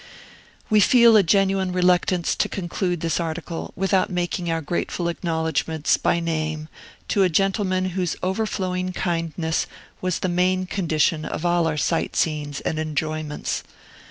We feel a genuine reluctance to conclude this article without making our grateful acknowledgments, by name, to a gentleman whose overflowing kindness was the main condition of all our sight seeings and enjoyments.